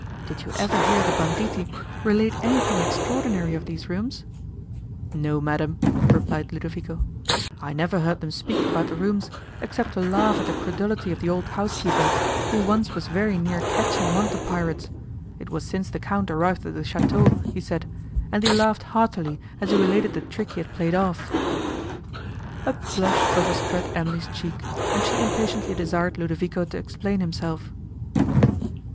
Did you ever hear the banditti relate anything extraordinary of these rooms?" "No, madam," replied Ludovico, "I never heard them speak about the rooms, except to laugh at the credulity of the old housekeeper, who once was very near catching one of the pirates; it was since the Count arrived at the château, he said, and he laughed heartily as he related the trick he had played off." A blush overspread Emily's cheek, and she impatiently desired Ludovico to explain himself.